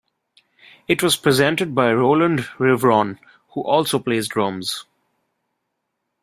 It was presented by Rowland Rivron, who also plays drums.